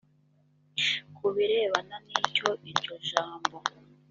ku birebana n icyo iryo jambo